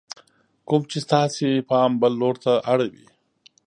کوم چې ستاسې پام بل لور ته اړوي :